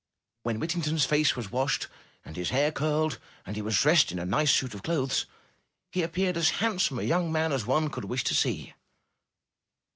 When Whittington's face was washed, and his hair curled, and he was dressed in a nice suit of clothes, he appeared as handsome a young man as one could wish to see.